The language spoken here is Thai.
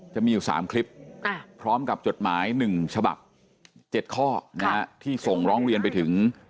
จะมีอยู่๓คลิปพร้อมกับจดหมาย๑ฉบับ๗ข้อที่ส่งร้องเรียนไปถึง